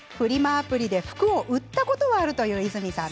アプリで服を売ったことはあるという和泉さん。